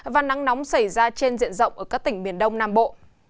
và nắng nóng xảy ra trên diện rộng ở các tỉnh miền đông nam bộ